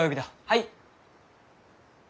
はい！